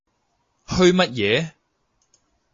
噓乜嘢？